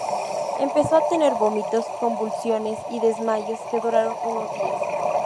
Empezó a tener vómitos, convulsiones y desmayos, que duraron unos días.